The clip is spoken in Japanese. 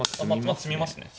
詰みますね。